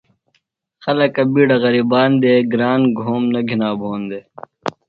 خلکہ بِیڈہ غرِیبان دےۡ۔ گران گھوم نہ گِھنا بھون دےۡ۔